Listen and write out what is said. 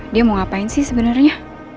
dia mau ngapain sih sebenarnya